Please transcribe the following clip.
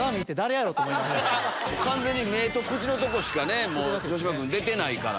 完全に目と口のとこしか城島君出てないから。